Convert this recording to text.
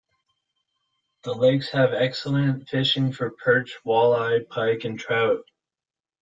The lakes have excellent fishing for perch, walleye, pike and trout.